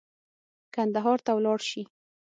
کندهار ته ولاړ شي.